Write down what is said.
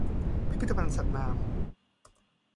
พิพิธภัณฑ์สัตว์น้ำ